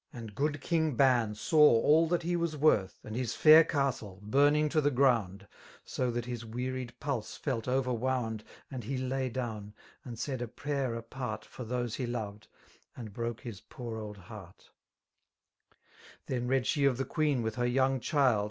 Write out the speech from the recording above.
And good King Ban^saw all that he was worth. 75 And his fair castle, bwniiig^ to the grcmnd^ So that hit Tr\eacied pulse felt over^ wound. And he lay down, and said a pray^ apart For those he loyed, and broke his poor (Ad faesart* Then read she of the queen with her young child.